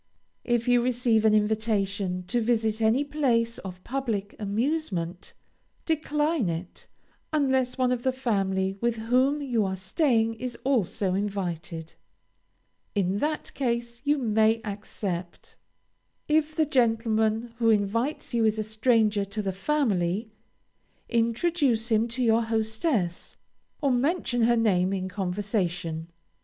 If you receive an invitation to visit any place of public amusement, decline it, unless one of the family with whom you are staying is also invited. In that case you may accept. If the gentleman who invites you is a stranger to the family, introduce him to your hostess, or mention her name in conversation.